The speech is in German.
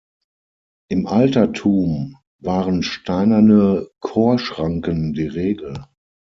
Im Altertum waren steinerne Chorschranken die Regel.